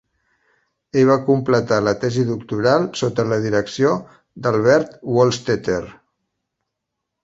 Ell va completar la tesi doctoral sota la direcció d'Albert Wohlstetter.